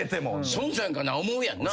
孫さんかな思うやんな。